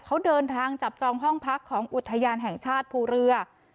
เขาเดินทางจับจองห้องพักของอุทยานแห่งชาติภูเรือ